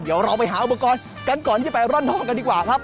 เดี๋ยวเราไปหาอุปกรณ์กันก่อนที่ไปร่อนทองกันดีกว่าครับ